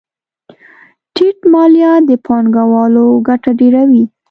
ټیټ مالیات د پانګوالو ګټه ډېروي.